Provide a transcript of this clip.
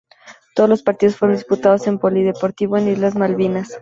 Todos los partidos fueron disputados en el Polideportivo Islas Malvinas.